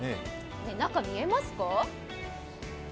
中、見えますか？